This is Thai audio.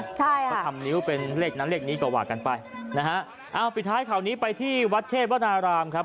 ใช่ค่ะเขาทำนิ้วเป็นเลขนั้นเลขนี้ก็ว่ากันไปนะฮะเอาปิดท้ายข่าวนี้ไปที่วัดเทพวนารามครับ